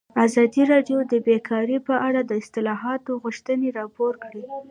ازادي راډیو د بیکاري په اړه د اصلاحاتو غوښتنې راپور کړې.